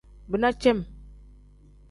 Bina cem.